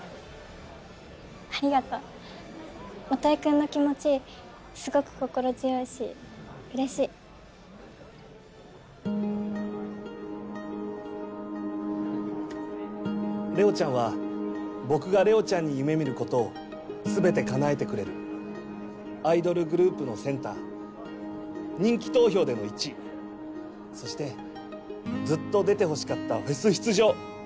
ありがとう基くんの気持ちすごく心強いしうれしいれおちゃんは僕がれおちゃんに夢見ることをすべてかなえてくれるアイドルグループのセンター人気投票での１位そしてずっと出てほしかったフェス出場